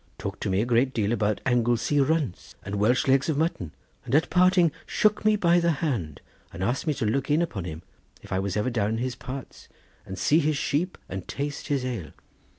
Talked to me a great deal about Anglesey runts, and Welsh legs of mutton, and at parting shook me by the hand, and asked me to look in upon him, if I was ever down in his parts, and see his sheep and taste his ale."